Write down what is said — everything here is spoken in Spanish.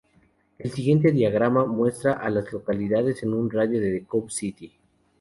El siguiente diagrama muestra a las localidades en un radio de de Cove City.